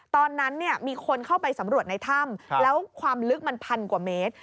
ตอนนั้นมีคนเข้าไปสำรวจในถ้ำแล้วความลึกมันพันกว่าเมตร